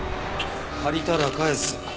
借りたら返す。